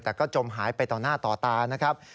แต่ก็จมหายไปต่อหน้าต่อตานะครับ